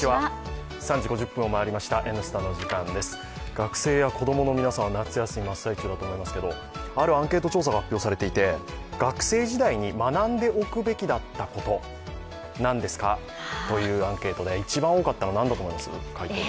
学生や子供の皆さんは夏休み真っ最中だと思いますけどあるアンケート調査が発表されていて学生時代に学んでおくべきだったこと、なんですかというアンケートで一番多かったのは何だったと思います？